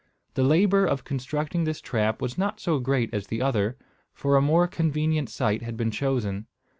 The labour of constructing this trap was not so great as the other, for a more convenient site had been chosen.